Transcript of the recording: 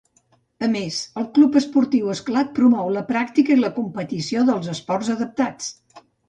A més, el Club Esportiu Esclat promou la pràctica i la competició dels esports adaptats.